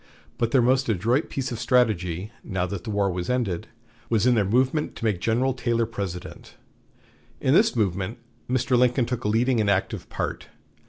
But their most adroit piece of strategy, now that the war was ended, was in their movement to make General Taylor President. In this movement Mr. Lincoln took a leading and active part.